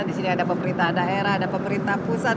di sini ada pemerintah daerah ada pemerintah pusat